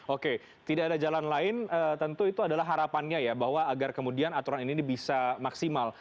oke tidak ada jalan lain tentu itu adalah harapannya ya bahwa agar kemudian aturan ini bisa maksimal